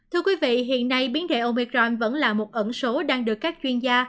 thưa quý vị hiện nay biến gệ omicron vẫn là một ẩn số đang được các chuyên gia